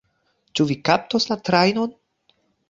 Ĉu vi kaptos la trajnon?